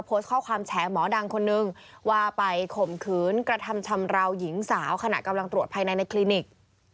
โพสต์ข้อความแฉหมอดังคนนึงว่าไปข่มขืนกระทำชำราวหญิงสาวขณะกำลังตรวจภายในในคลินิก